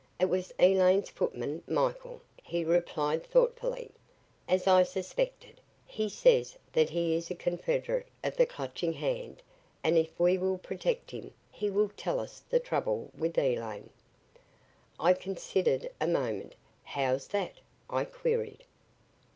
"It was Elaine's footman, Michael," he replied thoughtfully. "As I suspected, he says that he is a confederate of the Clutching Hand and if we will protect him he will tell us the trouble with Elaine." I considered a moment. "How's that?" I queried.